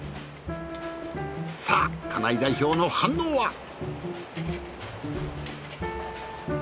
さあ金井代表の反応は？